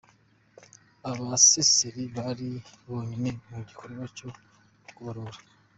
Abaseseri bari bonyine mu gikorwa cyo kubarura.